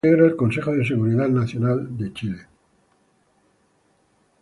Integra el Consejo de Seguridad Nacional de Chile.